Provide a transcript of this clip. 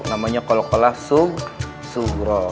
namanya kol kolah suhroh